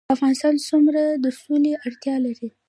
افغانستان څومره د سولې اړتیا لري؟